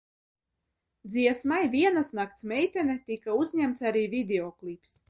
"Dziesmai "Vienas nakts meitene" tika uzņemts arī videoklips."